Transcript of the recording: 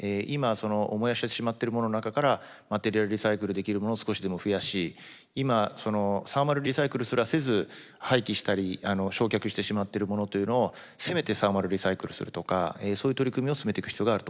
その燃やしてしまってるものの中からマテリアルリサイクルできるものを少しでも増やし今そのサーマルリサイクルすらせず廃棄したり焼却してしまってるものというのをせめてサーマルリサイクルするとかそういう取り組みを進めていく必要があると思ってます。